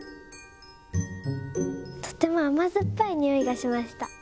とてもあまずっぱいにおいがしました。